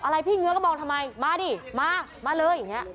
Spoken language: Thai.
อะไรพี่เงือกว่าบอกไม่มาดิมาเลย